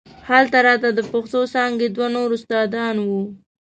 هلته راته د پښتو څانګې دوه نور استادان وو.